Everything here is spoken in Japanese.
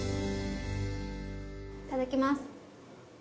いただきます。